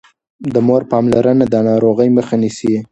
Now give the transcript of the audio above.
د مور پاملرنه د ناروغۍ مخه نيسي.